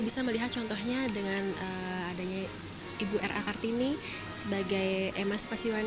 di seluruh indonesia